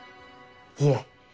いえ